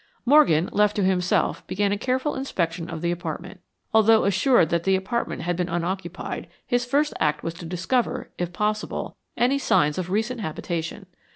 Morgan, left to himself, began a careful inspection of the apartment. Although assured that the apartment had been unoccupied, his first act was to discover, if possible, any signs of recent habitation.